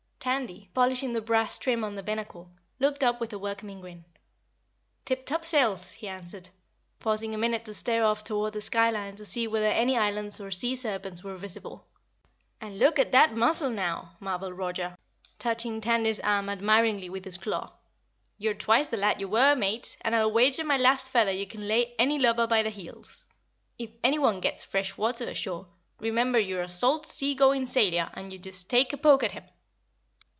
Tandy, polishing the brass trim on the binnacle, looked up with a welcoming grin. "Tip topsails!" he answered, pausing a minute to stare off toward the skyline to see whether any islands or sea serpents were visible. "And look at that muscle, now," marveled Roger, touching Tandy's arm admiringly with his claw. "You're twice the lad you were, Mate, and I'll wager my last feather you can lay any lubber by the heels. If anyone gets fresh water ashore, remember you're a salt sea going sailor and you just take a poke at him.